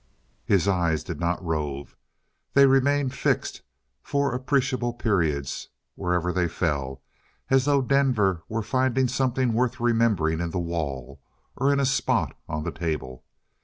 His eyes did not rove; they remained fixed for appreciable periods wherever they fell, as though Denver were finding something worth remembering in the wall, or in a spot on the table.